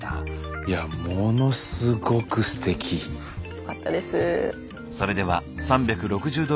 よかったです。